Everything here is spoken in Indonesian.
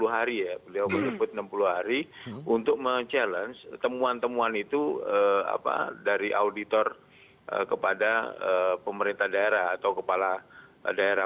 sepuluh hari ya beliau menyebut enam puluh hari untuk mencabar temuan temuan itu dari auditor kepada pemerintah daerah atau kepala daerah